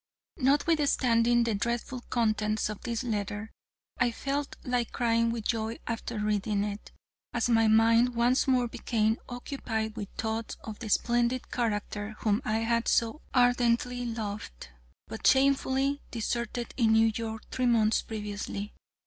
'" "'Notwithstanding the dreadful contents of this letter, I felt like crying with joy after reading it, as my mind once more became occupied with thoughts of the splendid character whom I had so ardently loved, but shamefully deserted in New York three months previously.